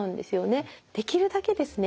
できるだけですね